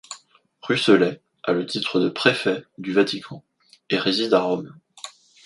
Ruccellai a le titre de préfet du Vatican et réside à Rome.